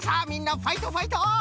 みんなファイトファイト！